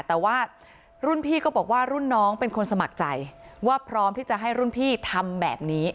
แต่ว่ารุ่นพี่ก็บอกว่ารุ่นน้องเป็นคนสมัครใจว่าพร้อมที่จะให้รุ่นพี่ทำแบบนี้